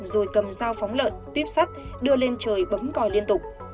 rồi cầm dao phóng lợn tuyếp sắt đưa lên trời bấm còi liên tục